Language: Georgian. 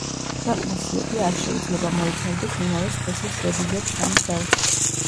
ქვეყნის სიები არ შეიძლება მოიცავდეს იმავე სქესის ზედიზედ სამ წევრს.